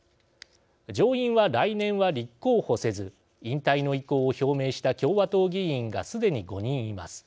上院は来年は立候補せず引退の意向を表明した共和党議員がすでに５人います。